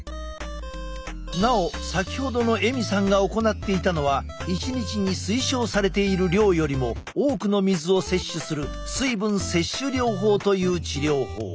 なお先ほどのエミさんが行っていたのは１日に推奨されている量よりも多くの水を摂取する水分摂取療法という治療法。